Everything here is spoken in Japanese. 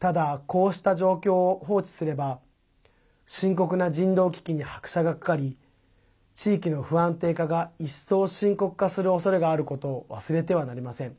ただ、こうした状況を放置すれば深刻な人道危機に拍車がかかり地域の不安定化が一層深刻化するおそれがあることを忘れてはなりません。